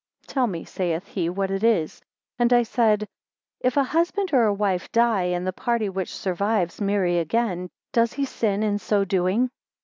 Tell me, saith he, what it is. 26 And I said, If a husband or a wife die, and the party which survives marry again, does he sin in so doing?